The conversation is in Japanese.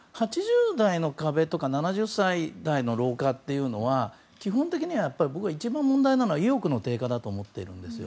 ８０代の壁とか７０歳の老化というのは基本的には僕は、一番問題なのは意欲の低下だと思っています。